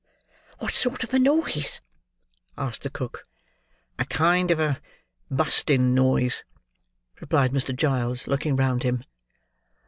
"What sort of a noise?" asked the cook. "A kind of a busting noise," replied Mr. Giles, looking round him.